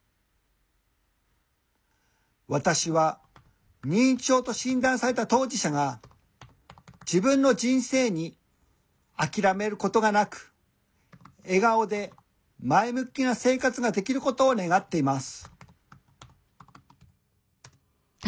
私は認知症と診断された当事者が自分の人生にあきらめる事がなく笑顔で前向きな生活ができることを願っています」。